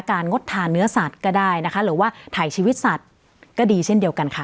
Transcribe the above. งดทานเนื้อสัตว์ก็ได้นะคะหรือว่าถ่ายชีวิตสัตว์ก็ดีเช่นเดียวกันค่ะ